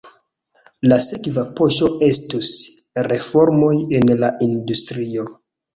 La sekva paŝo estus reformoj en la industrio.